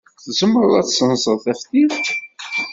Tzemreḍ ad tessenseḍ taftilt?